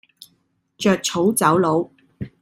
著草走佬